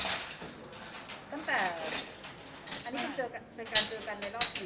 ตั้งแต่อันนี้คือเป็นการเจอกันในรอบกี่